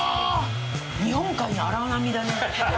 日本海の荒波だね。